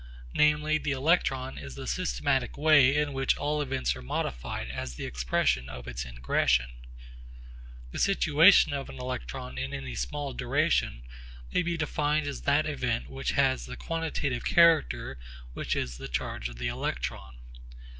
Namely the electron is the systematic way in which all events are modified as the expression of its ingression. The situation of an electron in any small duration may be defined as that event which has the quantitative character which is the charge of the electron.